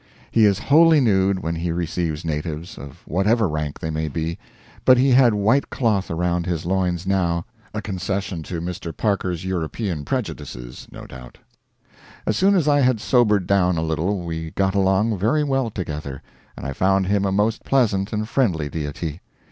He is wholly nude when he receives natives, of whatever rank they may be, but he had white cloth around his loins now, a concession to Mr. Parker's European prejudices, no doubt. As soon as I had sobered down a little we got along very well together, and I found him a most pleasant and friendly deity.